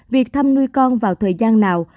việc thăm nuôi con vào thời gian nào